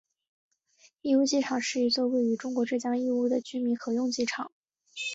义乌机场是一座位于中国浙江义乌的军民合用机场。